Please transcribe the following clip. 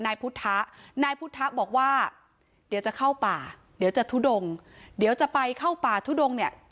นายพุทธะนายพุทธะบอกว่าเดี๋ยวจะเข้าป่าเดี๋ยวจะทุดงเดี๋ยวจะไปเข้าป่าทุดงเนี่ย